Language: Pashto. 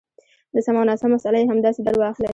د سم او ناسم مساله یې همداسې درواخلئ.